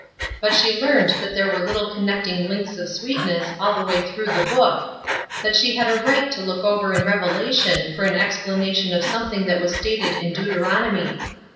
But she learned that there were little connecting links of sweetness all the way through the book; that she had a right to look over in Revelation for an explanation of something that was stated in Deuteronomy.